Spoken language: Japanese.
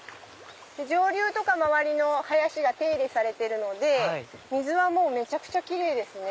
上流とか周りの林が手入れされてるので水はめちゃくちゃキレイですね。